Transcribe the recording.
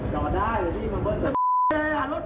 จอดได้พี่มันเบิ้ล